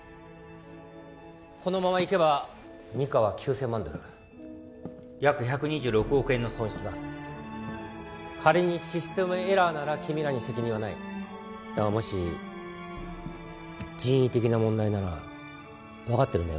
このままいけば２課は９千万ドル約１２６億円の損失だ仮にシステムエラーなら君らに責任はないだがもし人為的な問題なら分かってるね